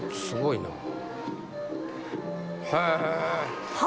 すごいね。